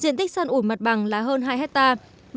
diện tích săn ủi mặt bằng là hơn hai hectare